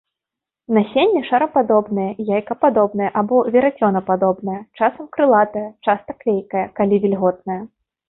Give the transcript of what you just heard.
Насенне шарападобнае, яйкападобнае або верацёнападобнае, часам крылатае, часта клейкае, калі вільготнае.